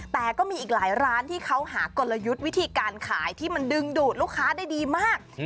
แต่ก็มีอีกหลายร้านที่เขาหากลยุทธ์วิธีการขายที่มันดึงดูดลูกค้าได้ดีมาก